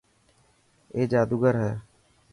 اي جادوگر هي.